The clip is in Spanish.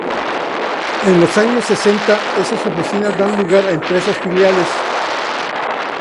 En los años sesenta, esas oficinas dan lugar a empresas filiales.